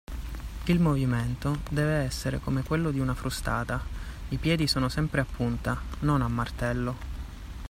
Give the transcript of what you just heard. Il movimento deve essere come quello di una frustata. I piedi sono sempre “a punta” (non “a martello”).